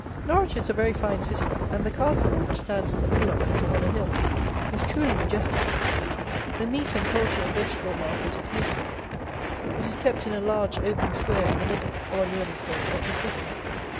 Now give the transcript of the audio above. Norwich is a very fine city, and the Castle, which stands in the middle of it, on a hill, is truly majestic. The meat and poultry and vegetable market is beautiful. It is kept in a large open square in the middle, or nearly so, of the City.